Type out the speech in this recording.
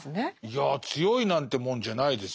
いや強いなんてもんじゃないですよ。